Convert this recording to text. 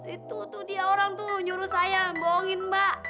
itu tuh dia orang tuh nyuruh saya bohongin mbak